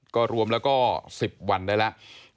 ก็รวมแล้วก็๑๐วันได้แล้ว